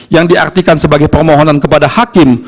yang diartikan sebagai permohonan kepada hakim